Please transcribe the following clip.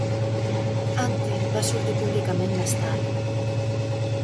Antin va sortir públicament més tard.